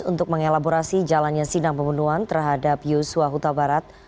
untuk mengelaborasi jalannya sidang pembunuhan terhadap yusua huta barat